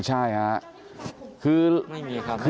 ใช่ค่ะ